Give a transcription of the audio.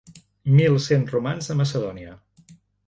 Mil cent romans a Macedònia.